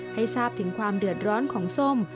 ให้ทราบถึงความเดือดร้อนของส้ม